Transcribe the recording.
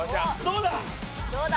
どうだ？